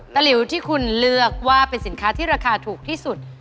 หลิวที่คุณเลือกว่าเป็นสินค้าที่ราคาถูกที่สุด